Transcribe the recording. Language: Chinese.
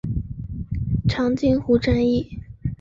长津湖战役